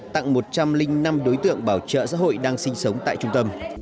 tặng một trăm linh năm đối tượng bảo trợ xã hội đang sinh sống tại trung tâm